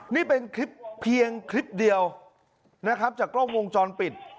นี่เป็นคลิปเพียงคลิปเดียวนะครับจากกล้องวงจรปิด